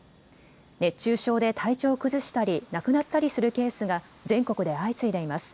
熱中症で体調を崩したり亡くなったりするケースが全国で相次いでいます。